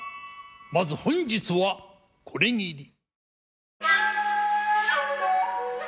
まず本日はこれぎり。